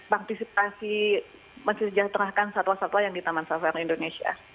partisipasi mencijaterahkan satwa satwa yang di taman safari indonesia